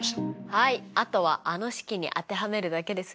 はいあとはあの式に当てはめるだけですね。